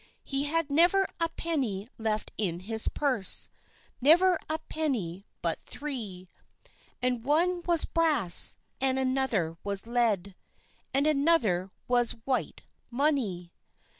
He had never a penny left in his purse, Never a penny but three, And one was brasse and another was lead And another was white mony.